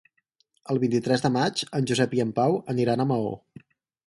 El vint-i-tres de maig en Josep i en Pau aniran a Maó.